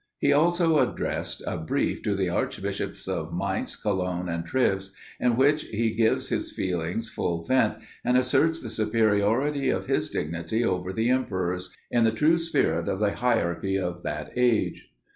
He also addressed a brief to the archbishops of Mayence, Cologne, and Treves, in which he gives his feelings full vent, and asserts the superiority of his dignity over the emperor's, in the true spirit of the hierarchy of that age.